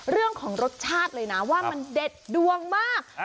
เรื่องของรสชาติเลยนะว่ามันเด็ดดวงมาก